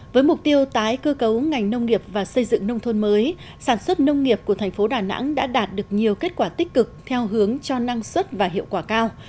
với mục tiêu tái cơ cấu ngành nông nghiệp và xây dựng nông thôn mới sản xuất nông nghiệp của thành phố đà nẵng đã đạt được nhiều kết quả tích cực theo hướng cho năng suất và hiệu quả cao